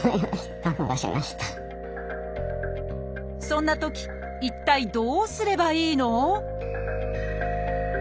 そんなとき一体どうすればいいの？